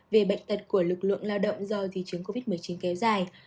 về bệnh tật của lực lượng lao động do di chứng covid một mươi chín kéo dài